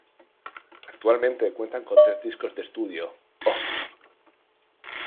Actualmente cuentan con tres discos de estudio; "Oh!